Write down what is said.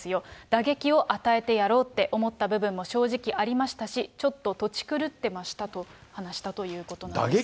打撃を与えてやろうって思った部分も正直ありましたし、ちょっととち狂ってましたと話したということなんです。